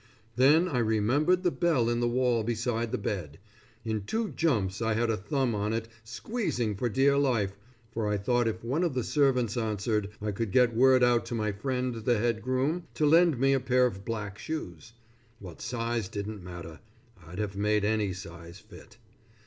Then I remembered the bell in the wall beside the bed. In two jumps I had a thumb on it squeezing for dear life, for I thought if one of the servants answered, I could get word out to my friend the head groom to lend me a pair of black shoes. What size didn't matter, I'd have made any size fit.